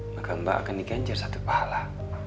maka mbak akan diganjar satu pahala